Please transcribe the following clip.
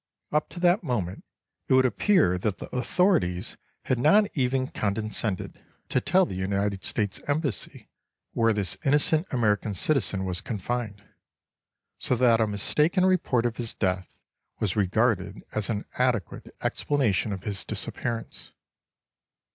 Up to that moment, it would appear that the authorities had not even condescended to tell the United States Embassy where this innocent American citizen was confined; so that a mistaken report of his death was regarded as an adequate explanation of his disappearance.